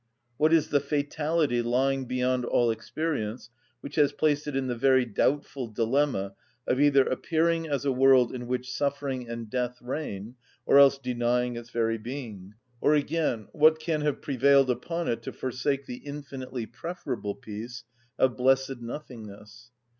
What is the fatality lying beyond all experience which has placed it in the very doubtful dilemma of either appearing as a world in which suffering and death reign, or else denying its very being?—or again, what can have prevailed upon it to forsake the infinitely preferable peace of blessed nothingness?